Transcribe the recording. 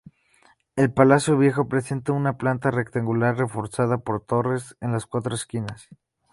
El Palacio Viejo presenta una planta rectangular reforzada por torres en las cuatro esquinas.